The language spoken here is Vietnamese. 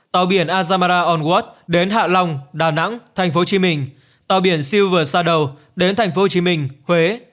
tàu biển azamara onward đến hạ long đà nẵng thành phố hồ chí minh tàu biển silver shadow đến thành phố hồ chí minh huế